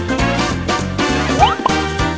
ตายสองคน